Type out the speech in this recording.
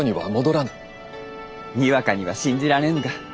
にわかには信じられぬが。